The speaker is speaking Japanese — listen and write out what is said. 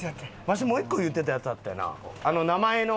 わしもう一個言うてたやつあったよな。